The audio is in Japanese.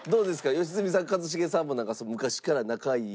良純さん一茂さんもなんか昔から仲いい。